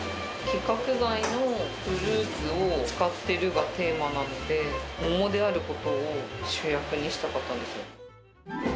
規格外のフルーツを使ってるがテーマなので、桃であることを主役にしたかったんですよ。